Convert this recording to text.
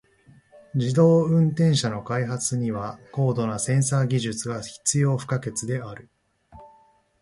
自動運転車の開発には高度なセンサー技術が必要不可欠である。